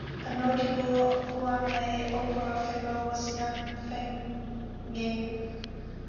A notable Huangmei opera figure was Yan Fengying.